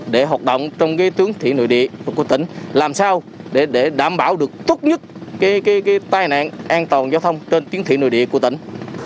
để hoạt động trong tướng thị nội địa của tỉnh làm sao để đảm bảo được tốt nhất tai nạn an toàn giao thông trên tuyến thị nội địa của tỉnh